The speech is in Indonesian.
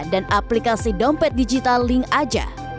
dan aplikasi dompet digital linkaja